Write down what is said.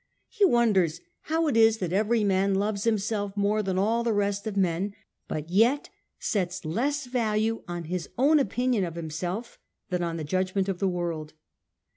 * He wonders ^ how it is that every man loves himself more than all the rest of men, but yet sets less value on his own opinion of himself than on the judg ment of the world.